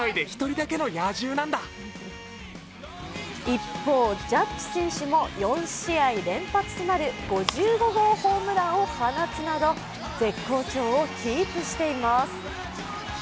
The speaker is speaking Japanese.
一方、ジャッジ選手も４試合連発となる５５号ホームランを放つなど絶好調をキープしています。